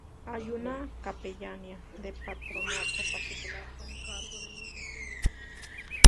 Hay una capellanía de patronato particular con cargo de misas y residencia.